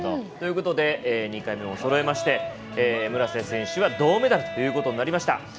ということで２回目も、そろえまして村瀬選手は銅メダルということになりました。